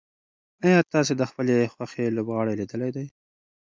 ایا تاسي د خپلې خوښې لوبغاړی لیدلی دی؟